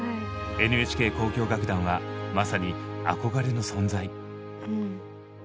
ＮＨＫ交響楽団はまさに憧れの存在。